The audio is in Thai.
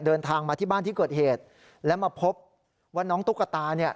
เดินทางมาที่บ้านที่เกิดเหตุและมาพบว่าน้องตุ๊กตาเนี่ย